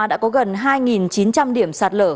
đã có gần hai chín trăm linh điểm sạt lở